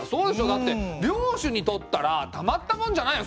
だって領主にとったらたまったもんじゃないよ